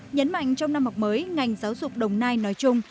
nhấn mạnh trong năm học mới ngành giáo dục đồng nai nói chung